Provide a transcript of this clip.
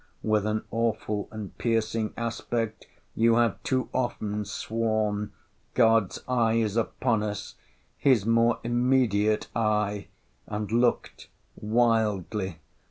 —with an awful and piercing aspect—you have too often sworn!—God's eye is upon us!—His more immediate eye; and looked wildly.